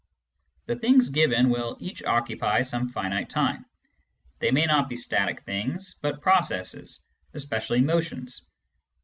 The things given will each occupy some finite time. They may be not static things, but processes, especially motions.